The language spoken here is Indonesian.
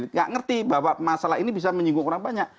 nggak ngerti bahwa masalah ini bisa menyinggung orang banyak